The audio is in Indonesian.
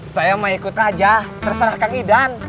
saya mau ikut aja terserah kang idan